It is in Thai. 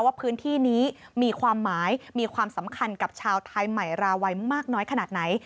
ว่าพื้นที่นี้มีความหมายมีความสำคัญกับชาวไทยใหม่ราวัยมากน้อยขนาดไหน